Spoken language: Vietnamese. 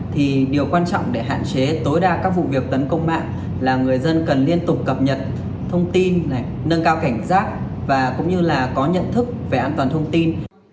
thì điều quan trọng để hạn chế tối đa các vụ việc tấn công mạng là người dân cần liên tục cập nhật thông tin nâng cao cảnh giác và cũng như là có nhận thức về an toàn thông tin